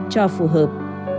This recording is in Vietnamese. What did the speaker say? cho phù hợp